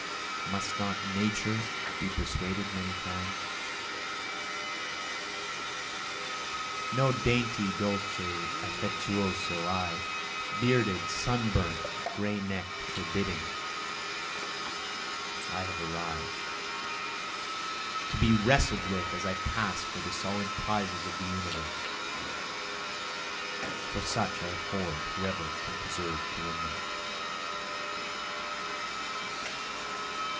Must not Nature be persuaded many times?) No dainty dolce affettuoso I, Bearded, sun burnt, gray neck'd, forbidding, I have arrived, To be wrestled with as I pass for the solid prizes of the universe, For such I afford whoever can persevere to win them.